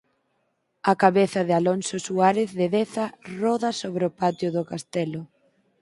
A cabeza de Alonso Suárez de Deza roda sobre o patio do castelo.